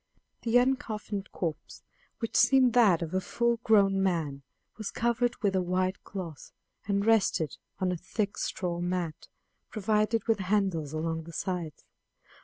The uncoffined corpse, which seemed that of a full grown man, was covered with a white cloth, and rested on a thick straw mat, provided with handles along the sides.